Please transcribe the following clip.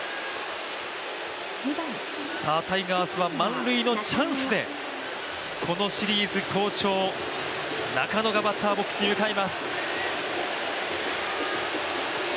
タイガースは満塁のチャンスでこのシリーズ好調・中野がバッターボックスに向かいます。